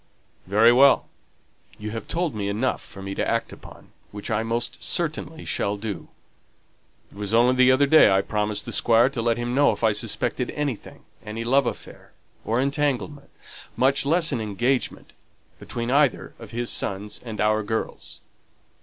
"Very well; you have told me enough for me to act upon, which I most certainly shall do. It was only the other day I promised the Squire to let him know if I suspected anything any love affair, or entanglement, much less an engagement, between either of his sons and our girls."